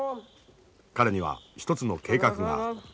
彼には一つの計画がある。